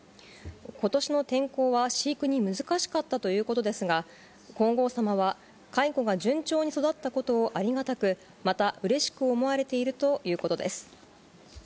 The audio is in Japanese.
今年の天候は飼育に難しかったということですが、皇后さまは蚕が順調に育ったことをありがたく、またうれしく思われているということです。